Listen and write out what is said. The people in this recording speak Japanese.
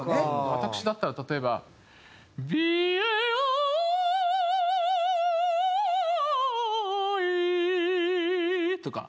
私だったら例えば。とか。